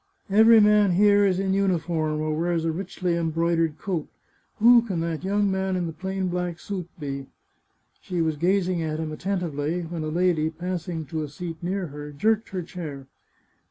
" Every man here is in uniform, or wears a richly em broidered coat. Who can that young man in the plain black suit be ?" She was gazing at him attentively, when a lady, passing to a seat near her, jerked her chair.